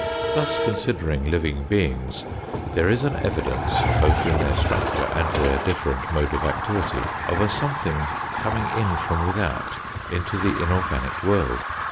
Thus considering living beings, there is an evidence both in their structure, and their different mode of activity, of a something coming in from without into the inorganic world.